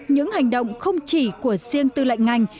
những hành động không chỉ của riêng tư lệnh ngành